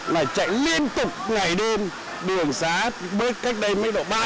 nó chạy liên tục ngày đêm đường xá bớt cách đây mới bỏ ban